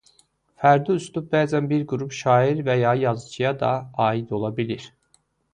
Fərdi üslub bəzən bir qrup şair və ya yazıçıya da aid ola bilir.